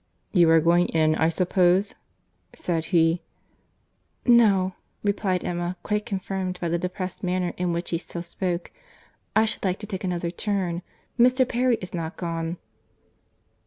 "You are going in, I suppose?" said he. "No,"—replied Emma—quite confirmed by the depressed manner in which he still spoke—"I should like to take another turn. Mr. Perry is not gone."